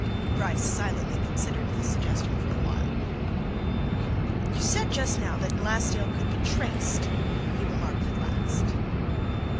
Bryce silently considered this suggestion for awhile. "You said, just now, that Glassdale could be traced?" he remarked at last.